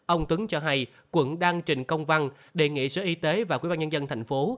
ông tuấn cho hay quận đang trình công văn đề nghị sở y tế và quỹ ban nhân dân thành phố